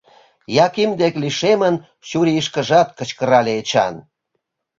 - Яким дек лишемын, чурийышкыжак кычкырале Эчан.